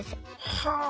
はあ！